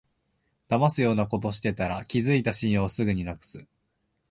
だますようなことしてたら、築いた信用をすぐになくす